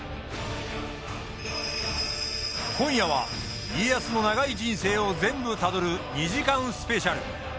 今夜は家康の長い人生を全部たどる２時間スペシャル！